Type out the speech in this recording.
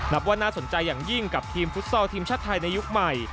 นับว่าน่าสนใจอย่างยิ่งกับทีมฟุตซอลทีมชาติไทยในยุคใหม่